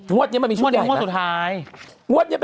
งวดนี้มันมีชุดใหญ่ไหม